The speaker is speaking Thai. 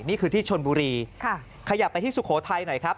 นี่คือที่ชนบุรีขยับไปที่สุโขทัยหน่อยครับ